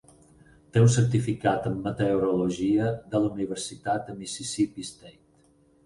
Té un certificat en meteorologia de la Universitat de Mississippi State.